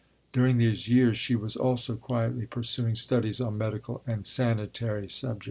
During these years she was also quietly pursuing studies on medical and sanitary subjects.